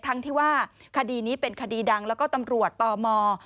ทั้งที่ว่าคดีนี้เป็นคดีดังแล้วก็ตำรวจตม